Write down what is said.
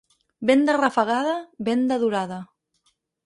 Vent de rafegada, vent de durada.